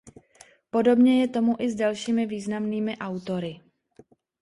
Podobně je tomu i s dalšími významnými autory.